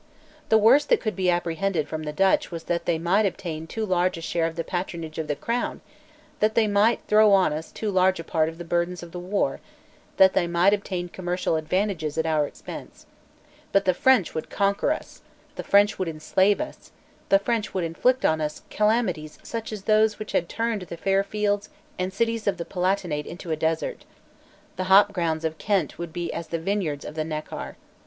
The worst that could be apprehended from the Dutch was that they might obtain too large a share of the patronage of the Crown, that they might throw on us too large a part of the burdens of the war, that they might obtain commercial advantages at our expense. But the French would conquer us; the French would enslave us; the French would inflict on us calamities such as those which had turned the fair fields and cities of the Palatinate into a desert. The hopgrounds of Kent would be as the vineyards of the Neckar.